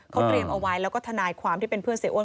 เขาเตรียมเอาไว้แล้วก็ทนายความที่เป็นเพื่อนเสียอ้ว